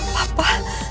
gak usah pura pura